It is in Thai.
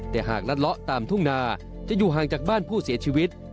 แต่หากลัดเลาะตามทุ่งนาจะอยู่ห่างจากบ้านผู้เสียชีวิต